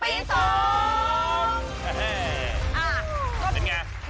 เป็นไง